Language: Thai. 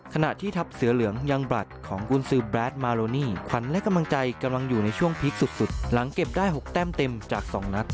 ขณะที่ทัพเสือเหลืองยังบลัดของกุญซือแบรดมาโลนี่ขวัญและกำลังใจกำลังอยู่ในช่วงพีคสุดหลังเก็บได้๖แต้มเต็มจาก๒นัด